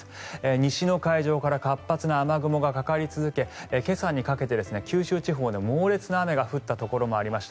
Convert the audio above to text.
西の会場から活発な雨雲がかかり続け九州地方でも猛烈な雨が降ったところもありました。